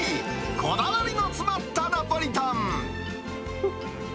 こだわりの詰まったナポリタン。